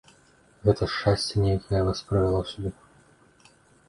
Гэта шчасце нейкае вас прывяло сюды.